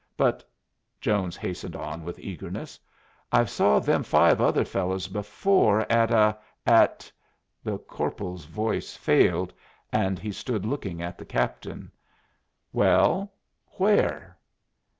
But," Jones hastened on with eagerness, "I've saw them five other fellows before at a at " The corporal's voice failed, and he stood looking at the captain. "Well? Where?"